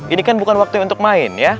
ini kan bukan waktu untuk main ya